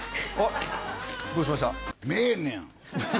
あれどうしました？